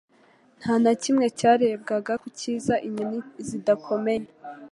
Nta na kimwe cyarebwaga Ku Kiza inyoni zidakomeye